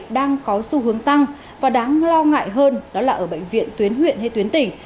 đang có xu hướng tăng và đáng lo ngại hơn đó là ở bệnh viện tuyến huyện hay tuyến tỉnh